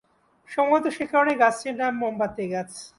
সম্ভবত সে কারণেই গাছটির নাম মোমবাতি গাছ।